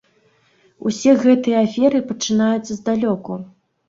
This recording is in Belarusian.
Усе гэтыя аферы пачынаюцца здалёку.